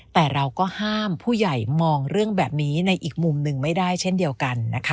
แต่เราก็ห้ามผู้ใหญ่มองเรื่องแบบนี้ในอีกมุมหนึ่งไม่ได้เช่นเดียวกันนะคะ